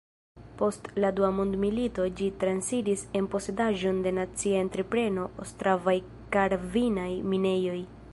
Post la dua mondmilito ĝi transiris en posedaĵon de nacia entrepreno Ostravaj-karvinaj minejoj.